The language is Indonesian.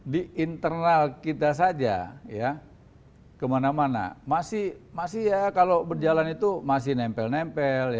di internal kita saja ya kemana mana masih ya kalau berjalan itu masih nempel nempel